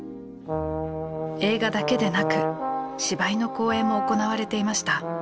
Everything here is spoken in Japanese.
映画だけでなく芝居の公演も行われていました。